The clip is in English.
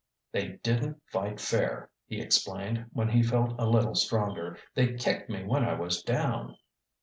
"They didn't fight fair," he explained, when he felt a little stronger. "They kicked me when I was down."